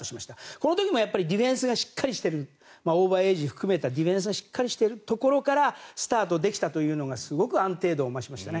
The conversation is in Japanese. この時もディフェンスがしっかりしているオーバーエイジ含めたディフェンスがしっかりしているところからスタートできたというのがすごく安定度が増しましたね。